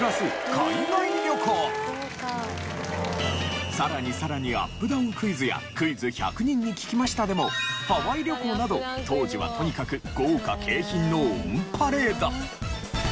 なんとさらにさらに『アップダウンクイズ』や『クイズ１００人に聞きました』でもハワイ旅行など当時はとにかく豪華景品のオンパレード。